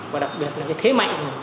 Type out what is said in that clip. và đặc biệt là cái thế mạnh